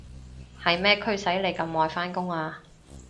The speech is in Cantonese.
係咩驅使你咁愛返工啊？